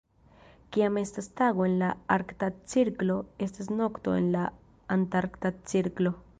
Kiam estas tago en la Arkta Cirklo estas nokto en la Antarkta Cirklo.